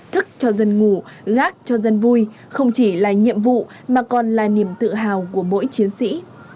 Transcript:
thức cho dân ngủ gác cho dân vui không chỉ là nhiệm vụ mà còn là niềm tự hào của mỗi chiến sĩ